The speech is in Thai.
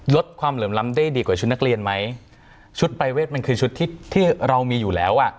ลดความเหลื่อมล้ำได้ดีกว่าชุดนักเรียนไหมชุดปรายเวทมันคือชุดที่ที่เรามีอยู่แล้วอ่ะ